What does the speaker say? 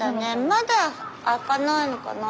まだ開かないのかな？